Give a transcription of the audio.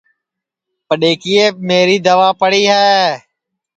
پڈؔؔیکِیئیپ میری دوا پڑی ہے